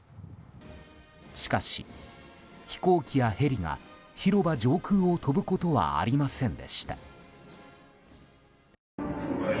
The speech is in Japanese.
しかし飛行機やヘリが広場上空を飛ぶことはありませんでした。